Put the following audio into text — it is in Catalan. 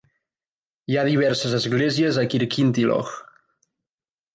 Hi ha diverses esglésies a Kirkintilloch.